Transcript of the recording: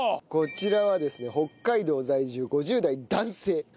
こちらはですね北海道在住５０代男性